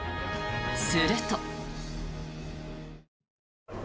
すると。